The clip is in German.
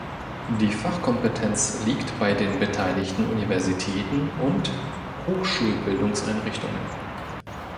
Die Fachkompetenz liegt bei den beteiligten Universitäten und Hochschulbildungseinrichtungen.